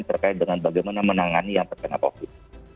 terkait dengan bagaimana menangani yang terkena covid sembilan belas